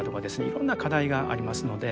いろんな課題がありますので。